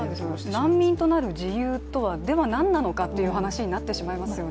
難民となる事由とは、ではなんなのかという話になってしまいますよね。